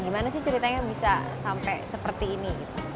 gimana sih ceritanya bisa sampai seperti ini